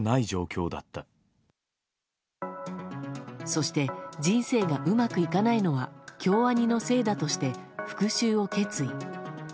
そして人生がうまくいかないのは京アニのせいだとして復讐を決意。